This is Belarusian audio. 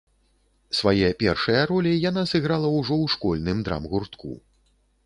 Свае першыя ролі яна сыграла ўжо ў школьным драмгуртку.